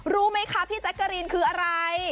รู้ไหมคะพี่แจ๊กกะรีนคืออะไร